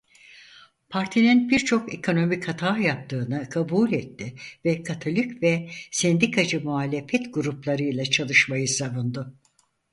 Partinin birçok ekonomik hata yaptığını kabul etti ve Katolik ve sendikacı muhalefet gruplarıyla çalışmayı savundu.